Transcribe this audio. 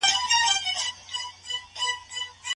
ولي ځينې خلګ د انسانانو ارزښت نه پيژني؟